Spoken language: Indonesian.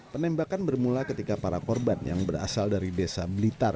penembakan bermula ketika para korban yang berasal dari desa blitar